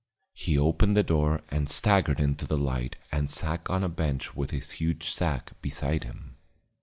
He opened the door and staggered into the light and sank on a bench with his huge sack beside him.